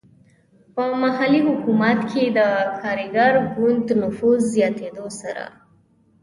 په محلي حکومت کې د کارګر ګوند نفوذ زیاتېدو سره.